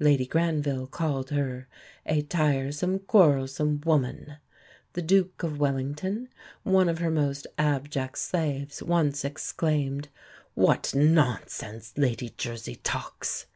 Lady Granville called her "a tiresome, quarrelsome woman"; the Duke of Wellington, one of her most abject slaves, once exclaimed, "What nonsense Lady Jersey talks!"